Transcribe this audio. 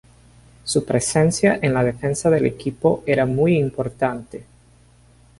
Su presencia en la defensa del equipo era muy importante.